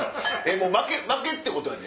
もう負けってことやで。